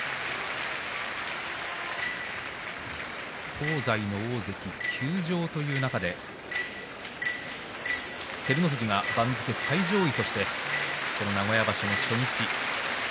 東西の大関、休場という中で照ノ富士が番付最上位としてこの名古屋場所の初日。